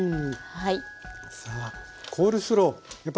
はい。